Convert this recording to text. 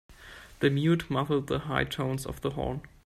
The mute muffled the high tones of the horn.